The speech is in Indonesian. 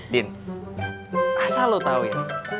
din asal lu tau ya